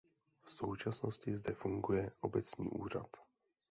V současnosti zde funguje obecní úřad.